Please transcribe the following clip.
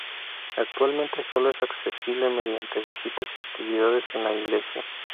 Actualmente sólo es accesible mediante visitas y actividades en la iglesia.